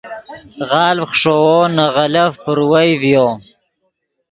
غالڤ خشوؤ نے غلف پروئے ڤیو